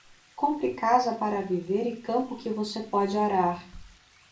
Compre casa para viver e campo que você pode arar.